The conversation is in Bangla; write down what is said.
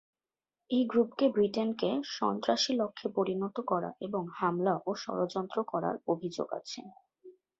এই গ্রুপকে ব্রিটেনকে সন্ত্রাসী লক্ষে পরিনত করা এবং হামলা ও ষড়যন্ত্র করার অভিযোগ আছে।